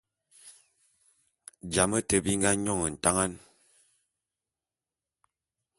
Jame te bi nga nyône ntangan.